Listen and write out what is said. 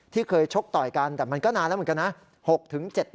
ที่เคยชกต่อยกันแต่มันก็นานแล้วเหมือนกันนะ